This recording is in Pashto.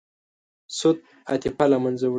سود عاطفه له منځه وړي.